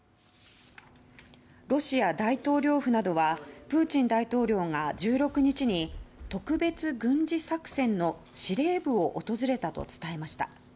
ロシア大統領府などはプーチン大統領が１６日に特別軍事作戦の司令部を訪れたと伝えました。